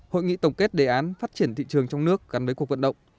hội nghị tổng kết đề án phát triển thị trường trong nước gắn với cuộc vận động